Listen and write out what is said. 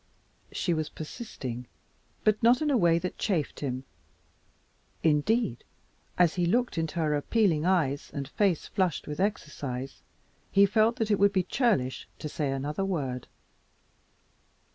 She was persisting, but not in a way that chafed him. Indeed, as he looked into her appealing eyes and face flushed with exercise, he felt that it would be churlish to say another word.